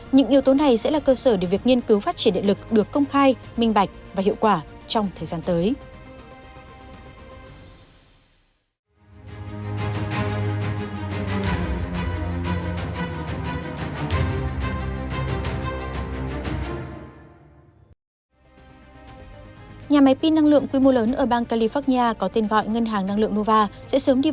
những yếu tố này sẽ là cơ sở để việc nghiên cứu phát triển điện lực được công khai minh bạch và hiệu quả trong thời gian tới